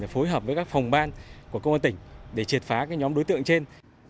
phối hợp với các phòng ban của công an tỉnh để triệt phá các nhóm đối tượng trên